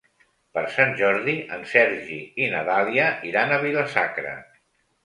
Per Sant Jordi en Sergi i na Dàlia iran a Vila-sacra.